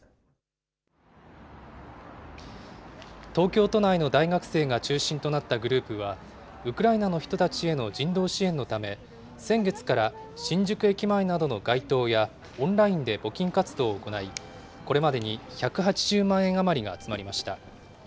東京都内の大学生が中心となったグループは、ウクライナの人たちへの人道支援のため、先月から新宿駅前などの街頭やオンラインで募金活動を行い、これまでに１８０万円余りが集まりました。